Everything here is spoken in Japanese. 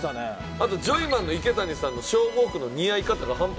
あとジョイマンの池谷さんの消防服の似合い方が半端じゃない。